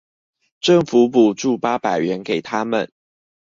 政府補助八百元給他們